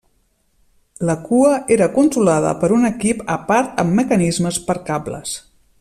La cua era controlada per un equip a part amb mecanismes per cables.